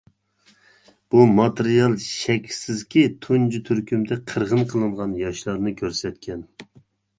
بۇ ماتېرىيال شەكسىزكى تۇنجى تۈركۈمدە قىرغىن قىلىنغان ياشلارنى كۆرسەتكەن.